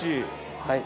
はい。